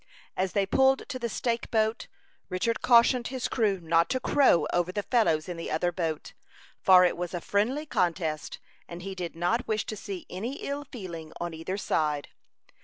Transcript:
As they pulled to the stake boat, Richard cautioned his crew not to "crow" over the fellows in the other boat, for it was a friendly contest, and he did not wish to see any ill feeling on either side.